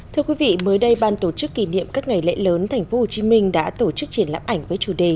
thưa quý vị mới đây ban tổ chức kỷ niệm các ngày lễ lớn tp hcm đã tổ chức triển lãm ảnh với chủ đề